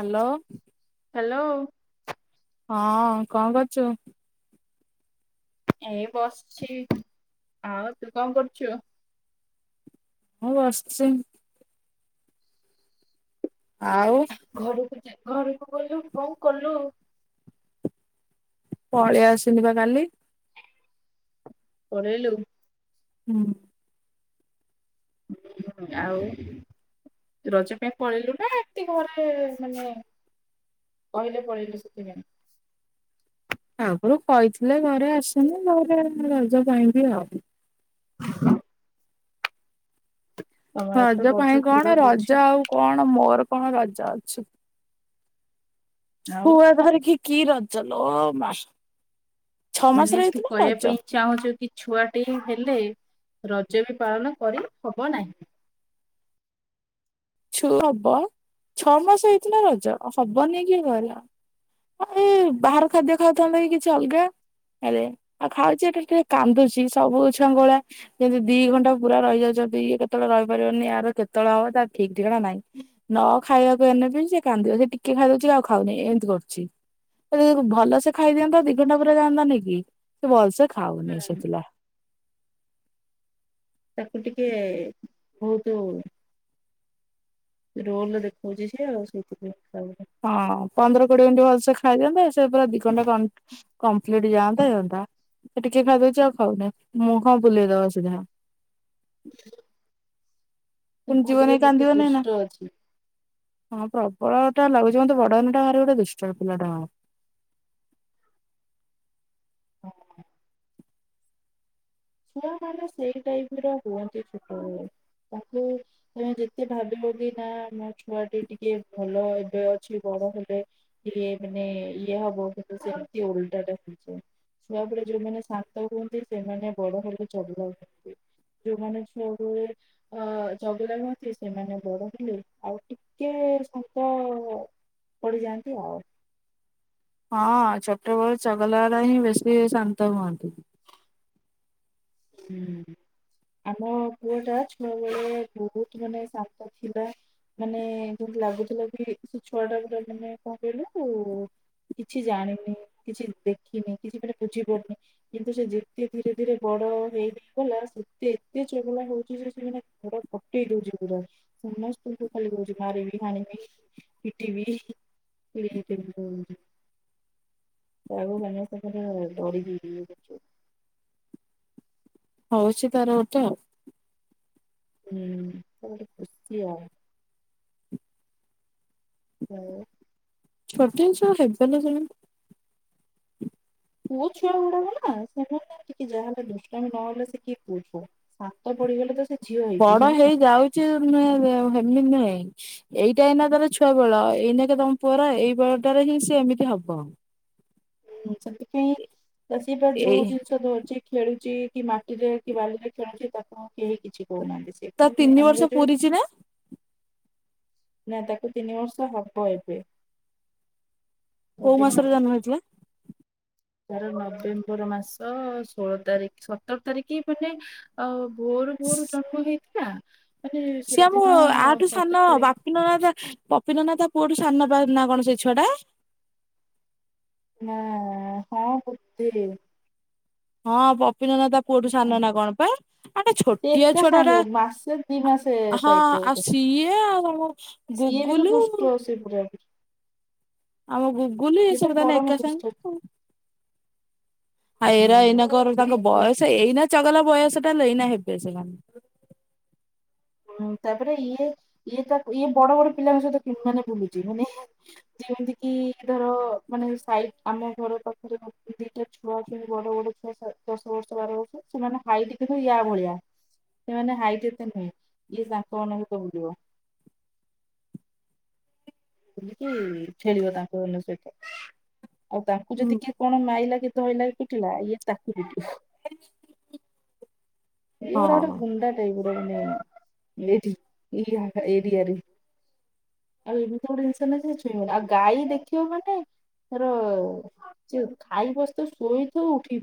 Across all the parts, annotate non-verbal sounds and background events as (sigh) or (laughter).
Hello. Hello. ହଁ କଣ କରୁଚୁ? ଏଇ ବସଚି ଆଉ ତୁ କଣ କରୁଛୁ? ହେଇ ବସିଚି। ଆଉ ଘରକୁ ଯା ଘରକୁ ଗଲୁ କଣ କଲୁ? ପଳେଇ ଆସିଲି ବା କାଲି। ପଳେଇଲୁ? ହୁଁ। ଉଁ ହୁଁ ଆଉ। ରଜ ପାଇଁ ପଳେଇଲୁ ନା ଏମିତି ଘରେ ମାନେ କହିଲେ ପଳେଇଲୁ ସେଥିପାଇଁ। ଆଗରୁ କହିଥିଲେ ଘରେ ଆସନି ଘରେ ରଜ ପାଇଁ ବି ଆଉ। ତମ ଆଡେ ତ ରଜ ପାଇଁ ଭଲ କଣ ହଉଛି ରଜା ଆଉ କଣ ମୋର କଣ ରଜ ଅଛି। ଆଉ ଛୁଆ ଧରିକି କି ରଜ ଲୁ ମା ଛଅ ମାସର ହେଇଥିଲେ ରଜ। ଚାହୁଁଚୁ କି ଛୁଆଟି ହେଲେ ରଜ ବି ପାଳନ କରି ହବ ନାହିଁ। ଛୁ ହବ ଛଅ ମାସ ହେଇଥିଲେ ରଜ ହବନି କିଏ କହିଲା। ଆଉ ଏଇ ବାହାର ଖାଦ୍ୟ ଖାଉଥାନ୍ତା କି କିଛି ଅଲଗା। ହେଲେ ଆଉ ଖାଉଚି ଏଠି ଟିକେ କାନ୍ଦୁଚି ସବୁ ଛୁଆଙ୍କ ଭଳିଆ ଯେମିତି ଦି ଘଣ୍ଟା ପୁରା ରହିଯାଉଚନ୍ତି କେତେବେଳେ ରହିପାରିବନି ୟାର କେତେବେଳେ ହବ ତା ଠିକ ଠିକଣା ନାଇଁ। ନ ଖାଇବାକୁ ଏନେବି ସେ କାନ୍ଦିବ ସେ ଟିକେ ଖାଇଦଉଚି ଆଉ ଖାଉନି ଏମିତି କରୁଛି। ଯଦି ଭଲସେ ଖାଇ ଦିଅନ୍ତା ଦିଘଣ୍ଟା ପୁରା ଯାଆନ୍ତା ନି କି ସେ ଭଲସ ଖାଉନି ସେଥିଲାଗି। ତାକୁ ଟିକେ ବହୁତ ରୋଲ ଦେଖାଉଚି ସେ ଆଉ ସେଇଥିପାଇଁ ଖାଉନି। ହଁ ପନ୍ଦର କୋଡିଏ ମିନିଟ୍ ଭଲସେ ଖାଇ ଦିଅନ୍ତା ସେ ପୁରା ଦି ଘଣ୍ଟା କମ୍ କମ୍ପ୍ଲିଟ ଯାଆନ୍ତା ରହନ୍ତା। ସେ ଟିକେ ଖାଇଦଉଚି ଆଉ ଖାଉନି ମୁହଁ ବୁଲେଇଦବ ସିଧା। ପୁଣି ପୁଅ ଟିକେ ଜୀବନେ ବହୁତ କାନ୍ଦିବନି ଦୁଷ୍ଟ ନା। ଅଛି। ହଁ ପ୍ରବଳ ଟା ଲାଗୁଚି ମତେ ବଦହେଲେ ଟା ଭାରି ଗୋଟେ ଦୁଷ୍ଟ ପିଲା ଟା ହବ ହଉ ହଁ। ଛୁଆ ମାନେ ସେଇ ଟାଇପ ର ହୁଅନ୍ତି ଛୋଟ ବେଳେ ତାକୁ ତମେ ଯେତେ ଭାବିଲେ ବି ନା ମୋ ଛୁଆ ଟି ଟିକେ ଭଲ ଏବେ ଅଛି ବଡ ହେବେ ଟିକେ ମାନେ ଇଏ ହବ ସେମତି ଓଲଟାଟା ହୋଇଚି। ଛୁଆ ବେଳେ ଯୋଉମାନେ ଶାନ୍ତ ହୁଅନ୍ତି ସେମାନେ ବଡ ହେଲେ ଚଗଲା ହୁଅନ୍ତି। ଯୋଉମାନେ ସବୁବେଳେ ଅ ଚଗଲାମି ହୁଅନ୍ତି ସେମାନେ ବଡ ହେଲେ ଆଉ ଟିକେ ସାନ୍ତ ପଡିିଯାଆନ୍ତି ଆଉ ହଁ ଛୋଟବେଳୁ ଚଗଲା ବାଲା ହିଁ ବେଶୀ ଶାନ୍ତ ହୁଅନ୍ତି। ହୁଁ। ଆମ ପୁଅ ଟା ଛୁଆ ବେଳେ ବହୁତ ମାନେ ଶାନ୍ତ ଥିଲା। ମାନେ ଯେମିତି ଲାଗୁଥିଲା କି ସେ ଛୁଆ ଟା ମାନେ କଣ କହିଲୁ କିଛି ଜାଣିନି କିଛି ଦେଖିନି କିଛି ମନେ ବୁଝି ପାରୁନି କିନ୍ତୁ ସେ ଯେତେ ଧୀରେ ଧୀରେ ବଡ ହେଇଗଲା ସେତେ ଏତେ ଚଗଲା ହଉଛି ଯେ ସେମାନେ ଘର ଫଟୋଇ ଦଉଛି ପୁରା। ସମସ୍ତଙ୍କୁ ଖାଲି କହୁଚି ମାରିମି ହାଣିମି। ପିଟିବି (unintelligible) (unintelligible) ଡରିକି (unintelligible) ହଉଛି ତାର ଗୋଟେ ଆଉ ହୁଁ ତା ଗୋଟେ ଖୁସି ଆଉ। ହୋ। ଛୁଟିଆ ଛୁଆ ହେଵେନା ସେମାନେ। ପୁଅ ଛୁଆ ଗୁଡକା ନା ସେମାନେ ଟିକେ ଯାହାହଲେ ଦୁଷ୍ଟମି ନହଲେ ସେ କିଏ ପୁଅ ଛୁଆ। ଶାନ୍ତ ପଡିଗଲେ ତ ସେ ଝିଅ ହେଇଯିବେ ବଡ ନା ହେଇଯାଉଛି ହେମିତି ନୁହେ। ଏଇଟା ଏଇନା ତାର ଛୁଆ ବେଳ ଏଇନା କେ ତମ ପୁଅର ଏଇ ବେଟାରେ ହିଁ ସେ ଏମିତି ହବ। ହଁ ସେତିପାଇଁ ସେ ତାର ଏଇ ଯୋଉ ଧରୁଛି ଖେଳୁଛି କି ମାଟିରେ କି ବାଲିରେ ଖେଳୁଚି ତାକୁ କେହି କିଛି କହୁନାହାନ୍ତି ତା ସେଥି ପାଇଁ ତିନି ଆମେ ବର୍ଷ କହୁଚେ ପୁରିଛି ନା ନା ତାକୁ ତିନି ବର୍ଷ ହବ ଏବେ। କୋଉ ମାସରେ ଜନ୍ମ ହେଇଥିଲା? ତାର ନଭେମ୍ବର ମାସ ଷୋହଳ ତାରିଖ ସତର ତାରିଖ ମାନେ ଆଉ ଭୋରୁ ଭୋରୁ ଜନ୍ମ ହେଇଥିଲା ମାନେ ସେଇଦିନ ସତର ତାରିଖ ପପିନ ନା ପପିନ ନା ତା ପୁଅଠୁ ସାନ ନା କଣ ସେଇ ଛୁଆ ଟା? ନାଁ ହଁ ବୋଧେ ହଁ ପପିନ ନା ତା ପୁଅଠୁ ସାନ ନା କଣ ପାଇଁ ଆ ସେ ଛୋଟିଆ ଏକା ଛୁଆ ସାଙ୍ଗେ ଟା ମାସେ ଦି ମାସେ ହେଟ୍ଟା ହଁ ଟାଇପ ର ବୋଧେ ଆଉ ସିଏ ଆଉ ତମ ସିଏ ବି ତ ଗୁଗୁଲୁ। ଦୁଷ୍ଟ ସେ ପୁରା ଆମ ଗୁଗୁଲି ସିଏ ତ ସବୁ ତାନେ ପରମ ଏକା ଦୁଷ୍ଟ ସାଙ୍ଗେ ଆଉ ଆ ଏରା ଏଇନାଙ୍କର ସିଏ ତ ତାଙ୍କ ପୁ- ବୟସ୍କ ସେ ଏଇନା ଚଗଲା ବୟସଟା ତାଲେ ଏଇନା ହେବେ ସେମାନେ। ହୁଁ ତାପରେ ଇଏ ଇଏ ତା ଇଏ ବଡ ବଡ ପିଲାଙ୍କ ସହିତ ମାନେ ବୁଲୁଛି ମାନେ ଯେମିତି କି ଧର ମାନେ ସାଇଟ ଆମ ଘର ପାଖରେ ରହୁଛନ୍ତି ଏ ଛୁଆ ଅଛନ୍ତି ବଡ ବଡ ଛୁଆ ଦଶ ବର୍ଷ ବାର ବର୍ଷ ସେମାନେ ହାଇଟ କିନ୍ତୁ ୟା ଭଳିଆ। ସେମାନେ ହାଇଟ୍ ଏତେ ନୁହେଁ ଇଏ ତାଙ୍କମାନ ହତ ଭୁଲିବ। ସେମିତି ଖେଳିବ ତାଙ୍କ ମାନଙ୍କ ସହିତ ଆଉ ତାଙ୍କୁ ହୁଁ। ଯଦି କି କଣ ମାଇଲା କି ଧଇଲା କି କୁଟିଲା ଇଏ ତାକୁ ପିଟିବ। ଏଭରା ଗୋଟେ ହଁ ଗୁଣ୍ଡା ଟାଇପର ମାନେ ଲେଡି ଏଇ ଏରିଆ ରେ ଆଉ ଏମିତି ଗୋଟେ ଜିନିଷ ନା ସେ ଛୁଇଁବନି ଆଉ ଗାଈ ଦେଖିବ ମାନେ ତାର ସେ ଖାଇ ବସିଥିବ ଶୋଇଥବ ଉଠିକି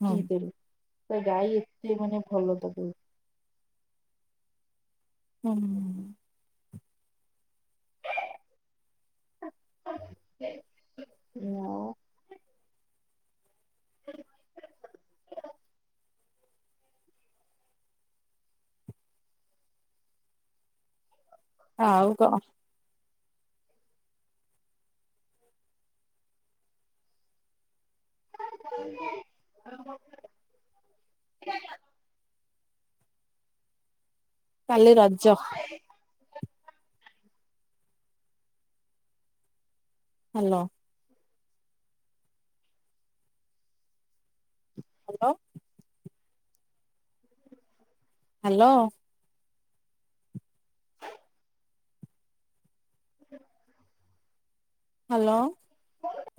ହଁ ତା ଗାଈ ଏତେ ମାନେ ଭଲ ତାକୁ (unintelligible) (unintelligible) (unintelligible) ଆଉ କଣ? (unintelligible) କାଲି Raja. Hello. Hello. Hello. (inaudible) Hello. (unintelligible)